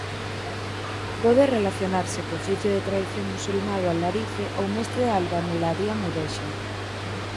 Pode relacionarse co oficio de tradición musulmá do alarife ou mestre de albanelaría mudéxar.